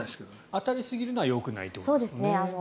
当たりすぎるのはよくないってことですね。